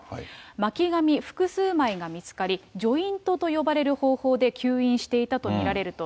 巻紙複数枚が見つかり、ジョイントと呼ばれる方法で吸引していたと見られると。